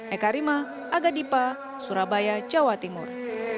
eka rima aga dipa surabaya jawa timur